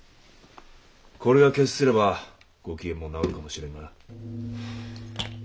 これが決すればご機嫌も直るかもしれんがな。